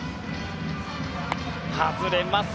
外れます。